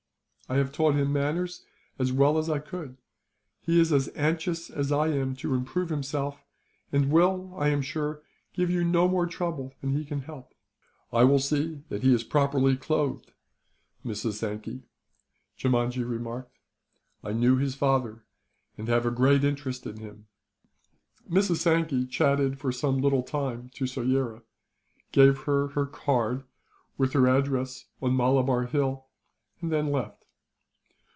I have taught him manners, as well as I could. He is as anxious as I am to improve himself; and will, I am sure, give you no more trouble than he can help." "I will see that he is properly clothed, Mrs. Sankey," Jeemajee remarked. "I knew his father, and have a great interest in him." Mrs. Sankey chatted for some little time to Soyera; gave her her card, with her address on Malabar Hill; and then left.